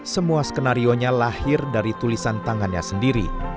semua skenario nya lahir dari tulisan tangannya sendiri